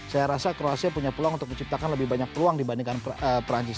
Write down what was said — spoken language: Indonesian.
saya rasa kroasia punya peluang untuk menciptakan lebih banyak peluang dibandingkan perancis